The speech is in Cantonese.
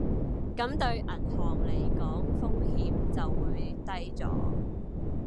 咁對銀行嚟講風險就會低左